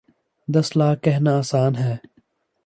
دس لاکھ کہنا آسان ہے۔